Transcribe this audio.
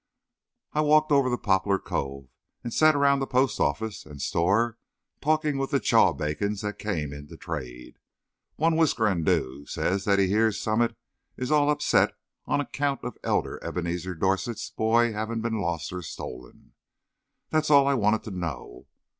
I walked over to Poplar Cove and sat around the postoffice and store, talking with the chawbacons that came in to trade. One whiskerando says that he hears Summit is all upset on account of Elder Ebenezer Dorset's boy having been lost or stolen. That was all I wanted to know.